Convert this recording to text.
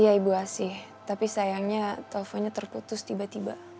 iya ibu asy tapi sayangnya telponnya terputus tiba tiba